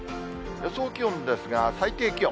予想気温ですが、最低気温。